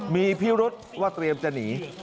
มีพิรุษว่าเตรียมจะหนี